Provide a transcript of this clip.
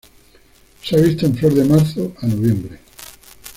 Se ha visto en flor de marzo a noviembre.